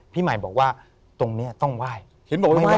พี่หมายบอกว่าตรงเนี่ยต้องไหว้